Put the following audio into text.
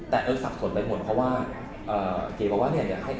แต่เก๋สับสนเนื้อไปหมดเก๋โแตรอกับเอาต้นว่า